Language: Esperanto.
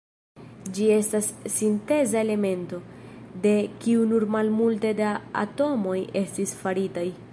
Ĝi estas sinteza elemento, de kiu nur malmulte da atomoj estis faritaj.